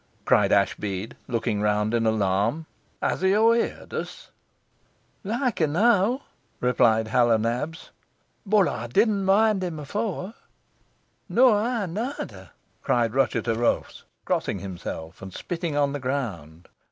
cried Ashbead, looking round in alarm. "Has he owerheert us?" "Loike enow," replied Hal o' Nabs. "But ey didna moind him efore." "Naw ey noather," cried Ruchot o' Roaph's, crossing himself, and spitting on the ground.